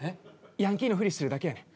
ヤンキーのふりしてるだけやねん。